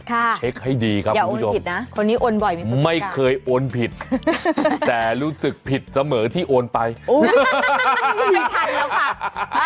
ค่ะเช็คให้ดีครับคุณผู้ชมไม่เคยโอนผิดแต่รู้สึกผิดเสมอที่โอนไปฮ่า